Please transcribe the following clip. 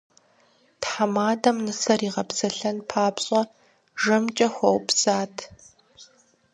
Тхьэмадэм нысэр игъэпсэлъэн папщӏэ жэмкӏэ хуэупсат.